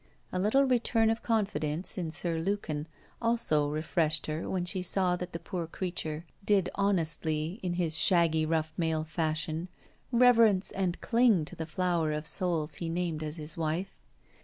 A little return of confidence in Sir Lukin also refreshed her when she saw that the poor creature did honestly, in his shaggy rough male fashion, reverence and cling to the flower of souls he named as his wife.